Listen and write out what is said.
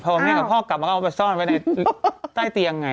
พอแม่กับพ่อกลับมาก็เอาไปซ่อนไว้ในใต้เตียงไง